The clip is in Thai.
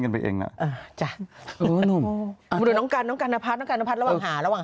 โดยเจ้าตัวเองเอาเพื่อน